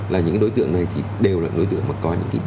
là những đối tượng này thì đều là đối tượng mà có những cái